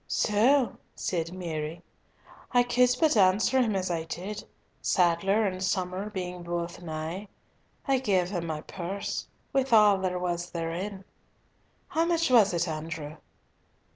"So," said Mary, "I could but answer him as I did, Sadler and Somer being both nigh. I gave him my purse, with all there was therein. How much was it, Andrew?"